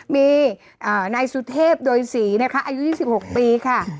มีนายสุเทพโดยศรีนะคะอายุ๒๖ปีค่ะ